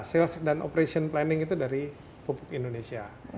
sales dan operation planning itu dari pupuk indonesia